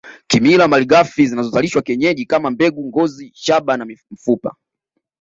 Kimila malighafi zinazozalishwa kienyeji kama mbegu ngozi shaba na mfupa